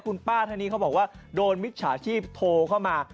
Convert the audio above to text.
คุณป้าท่านนี้เขาบอกว่าโดนมิจฉาชีพโทรเข้ามา